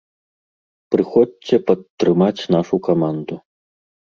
Прыходзьце падтрымаць нашу каманду.